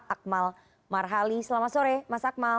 akmal marhali selamat sore mas akmal